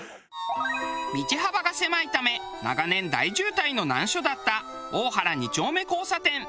道幅が狭いため長年大渋滞の難所だった大原二丁目交差点。